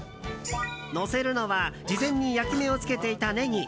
のせるのは事前に焼き目をつけていたネギ。